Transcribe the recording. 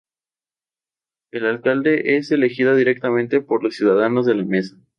El alcalde es elegido directamente por los ciudadanos de La Mesa.